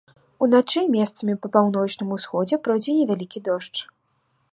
Уначы месцамі па паўночным усходзе пройдзе невялікі дождж.